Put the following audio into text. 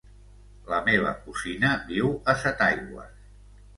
La meva cosina viu a Setaigües.